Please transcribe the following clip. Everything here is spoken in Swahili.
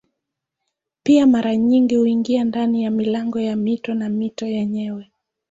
Pia mara nyingi huingia ndani ya milango ya mito na mito yenyewe.